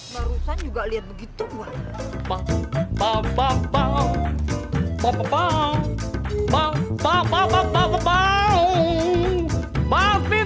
marusan juga liat begitu wak